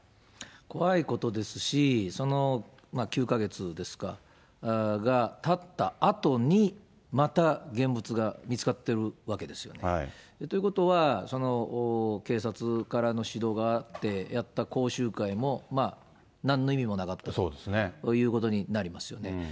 怖いことですし、９か月ですか、がたったあとに、また現物が見つかっているわけですよね。ということは、警察からの指導があってやった講習会もなんの意味もなかったということになりますよね。